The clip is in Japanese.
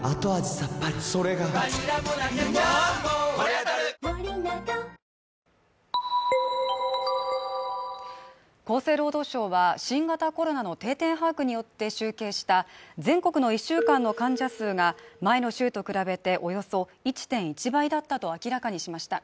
ヤダ厚生労働省は新型コロナの定点把握によって集計した全国の１週間の患者数が前の週と比べておよそ１．１倍だったと明らかにしました。